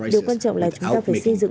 điều quan trọng là chúng ta phải xây dựng